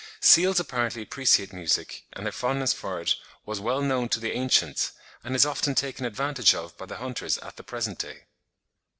Seals apparently appreciate music, and their fondness for it "was well known to the ancients, and is often taken advantage of by the hunters at the present day."